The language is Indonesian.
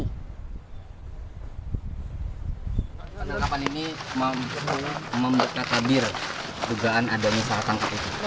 penangkapan ini membuka tabir dugaan ada misal tangkap itu